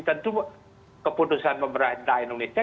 tentu keputusan pemerintah indonesia